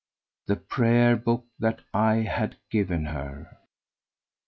The prayer book that I had given her.